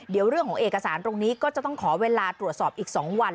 เดี๋ยวเรื่องของเอกสารตรงนี้ก็จะต้องขอเวลาตรวจสอบอีก๒วัน